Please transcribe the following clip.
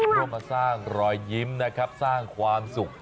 ร่วมมาสร้างรอยยิ้มนะครับสร้างความสุข